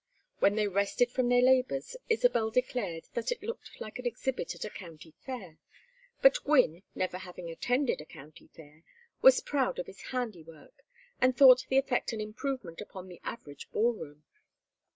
When they rested from their labors Isabel declared that it looked like an exhibit at a county fair, but Gwynne, never having attended a county fair, was proud of his handiwork and thought the effect an improvement upon the average ballroom.